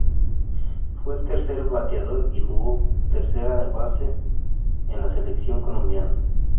Fue el tercer bateador y jugó tercera base en la selección colombiana.